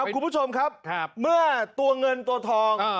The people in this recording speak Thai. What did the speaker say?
คุณผู้ชมครับเมื่อตัวเงินตัวทอง